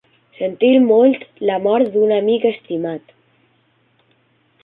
Sentir molt la mort d'un amic estimat.